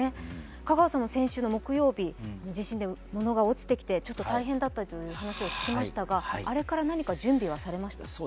香川さんも先週の木曜日、地震で物が落ちてきてちょっと大変だったりという話を聞きましたが、あれから何か準備はされましたか？